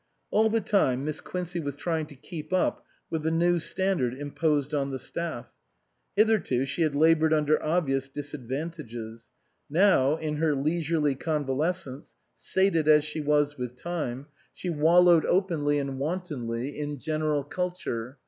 All the time Miss Quincey was trying to keep up with the new standard imposed on the staff. Hitherto she had laboured under obvious dis advantages ; now, in her leisurely convalescence, sated as she was with time, she wallowed openly 244 HEALERS AND REGENERATORS and wantonly in General Culture.